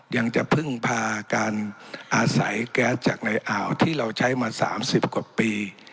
ยังจะพึ่งพาการอาศัยแก๊สจากในอ่าวที่เราใช้มา๓๐กว่าปี